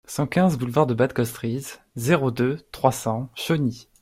cent quinze boulevard de Bad Kostritz, zéro deux, trois cents, Chauny